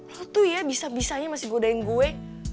lo tuh ya bisa bisanya masih godain gue